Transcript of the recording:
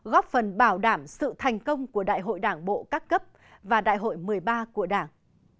góp phần bảo đảm sự thành công của đại hội đảng bộ các cấp và đại hội một mươi ba của đảng